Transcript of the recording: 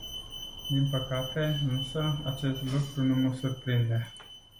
Din păcate, însă, acest lucru nu mă surprinde.